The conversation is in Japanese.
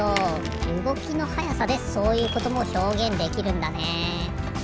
うごきのはやさでそういうこともひょうげんできるんだね。